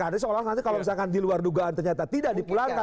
jadi soalnya nanti kalau misalkan di luar dugaan ternyata tidak dipulangkan